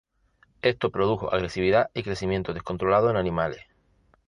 Esto produjo agresividad y crecimiento descontrolado en animales.